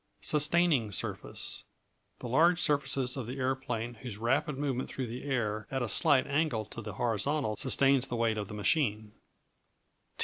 Sustaining Surface The large surfaces of the aeroplane whose rapid movement through the air at a slight angle to the horizontal sustains the weight of the machine.